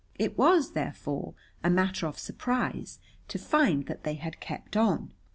It was, therefore, a matter of surprise to find that they had kept on.